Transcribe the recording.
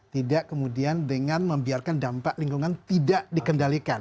tidak kemudian dengan membiarkan dampak lingkungan tidak dikendalikan